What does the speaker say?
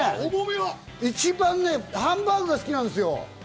僕ね、１番ね、ハンバーグが好きなんですよ。